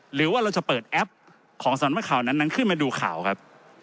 หรือว่าเราจะเปิดแอปของสำนักข่าวนั้นขึ้นมาดูข่าวครับ